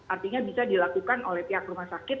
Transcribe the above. artinya bisa dilakukan oleh pihak rumah sakit